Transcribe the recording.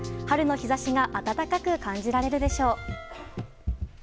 春の日差しが暖かく感じられるでしょう。